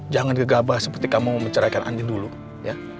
jangan gegabah seperti kamu menceraikan andin dulu ya